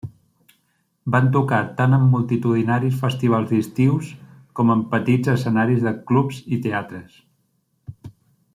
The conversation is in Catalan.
Van tocar tant en multitudinaris festivals d'estius com en petits escenaris de clubs i teatres.